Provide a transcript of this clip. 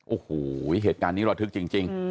โอ้โหเหตุการณ์นี้ระทึกจริง